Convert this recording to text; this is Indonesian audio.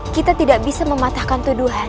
kita tidak bisa mematahkan tuduhan